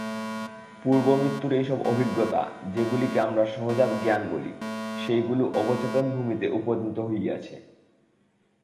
পূর্বমৃত্যুর এইসব অভিজ্ঞতা, যেগুলিকে আমরা সহজাত জ্ঞান বলি, সেগুলি অবচেতন-ভূমিতে উপনীত হইয়াছে।